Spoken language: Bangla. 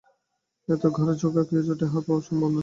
এত গাঢ় যে চোখে কিছুই ঠাহর হওয়া সম্ভব নয়।